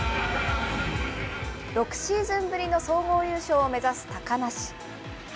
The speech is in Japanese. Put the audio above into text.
６シーズンぶりの総合優勝を目指す高梨。